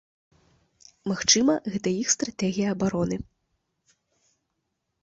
Магчыма, гэта іх стратэгія абароны.